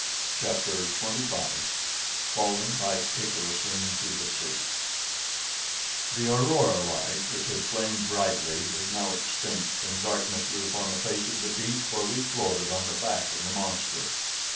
CHAPTER XXV FALLING, LIKE ICARUS, INTO THE SEA The aurora light, which had flamed brightly, was now extinct, and darkness was upon the face of the deep, where we floated on the back of the monster.